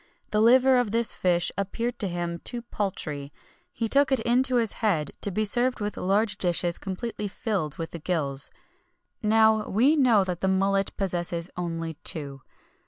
The liver of this fish appeared to him too paltry; he took it into his head to be served with large dishes completely filled with the gills.[XXI 54] Now, we know that the mullet possesses only two.